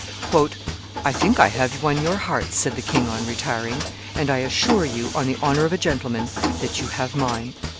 "I think I have won your hearts," said the king on retiring; "and I assure you, on the honor of a gentleman, that you have mine.